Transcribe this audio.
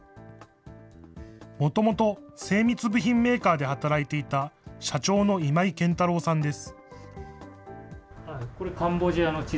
もともと精密部品メーカーで働いていた社長の今井賢太郎さんです。